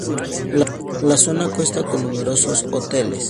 La zona cuenta con numerosos hoteles.